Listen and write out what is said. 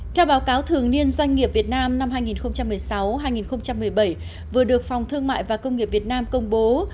theo báo cáo thường niên doanh nghiệp việt nam năm hai nghìn một mươi sáu hai nghìn một mươi bảy vừa được phòng thương mại và công nghiệp việt nam công bố